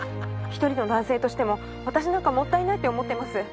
１人の男性としても私なんかもったいないって思ってます。